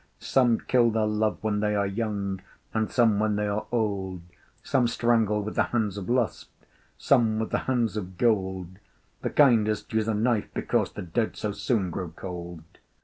Some kill their love when they are young, And some when they are old; Some strangle with the hands of Lust, Some with the hands of Gold: The kindest use a knife, because The dead so soon grow cold.